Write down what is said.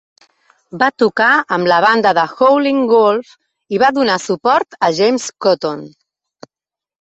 Va tocar amb la banda de Howlin' Wolf i va donar suport a James Cotton.